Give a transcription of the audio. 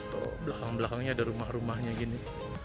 atau belakang belakangnya ada rumah rumahnya gini